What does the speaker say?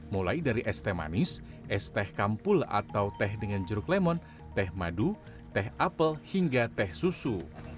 mulai dari esteh manis esteh kampul atau teh dengan jeruk lemon teh madu teh apel hingga teh susu